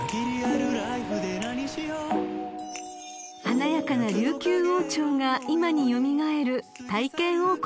［華やかな琉球王朝が今に蘇る］